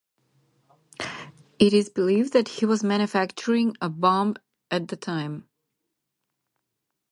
It is believed that he was manufacturing a bomb at the time.